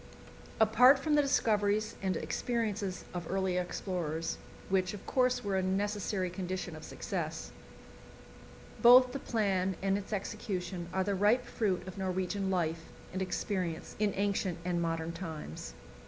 Apart from the discoveries and experiences of earlier explorers which, of course, were a necessary condition of success both the plan and its execution are the ripe fruit of Norwegian life and experience in ancient and modern times.